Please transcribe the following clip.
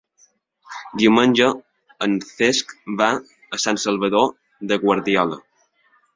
Diumenge en Cesc va a Sant Salvador de Guardiola.